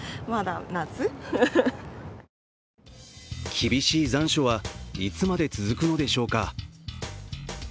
厳しい残暑はいつまで続くのでしょうか。